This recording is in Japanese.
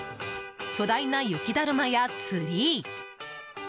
巨大な雪だるまやツリー！